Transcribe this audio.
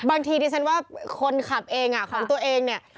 บางทีที่ฉันว่าคนขับเองของตัวเอง